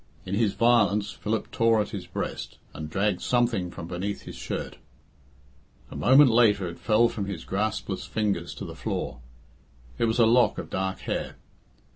In his violence Philip tore at his breast, and dragged something from beneath his shirt. A moment later it fell from his graspless fingers to the floor. It was a lock of dark hair.